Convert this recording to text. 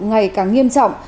ngày càng nghiêm trọng